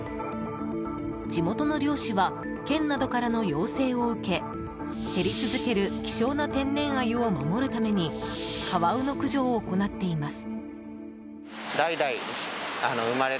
地元の猟師は県などからの要請を受け減り続ける希少な天然アユを守るためにカワウの駆除を行っています。